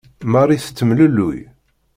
Marie tettemlelluy.